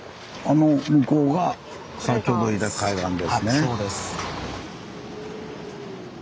はいそうです。